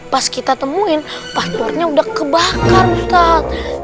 pas kita temuin pasportnya udah kebakar ustadz